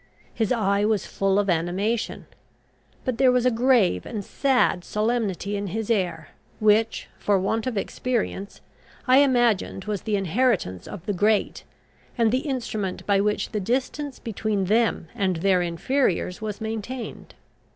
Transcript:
His eye was full of animation; but there was a grave and sad solemnity in his air, which, for want of experience, I imagined was the inheritance of the great, and the instrument by which the distance between them and their inferiors was maintained.